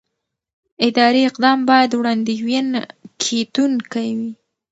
اداري اقدام باید وړاندوينه کېدونکی وي.